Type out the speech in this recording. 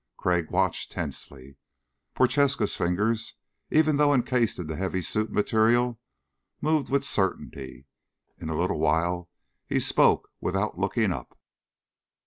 Crag watched tensely. Prochaska's fingers, even though encased in the heavy suit material, moved with certainty. In a little while he spoke without looking up.